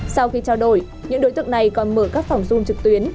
sau khi trao đổi những đối tượng này còn mở các phòng dung trực tuyến